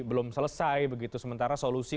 belum selesai begitu sementara solusi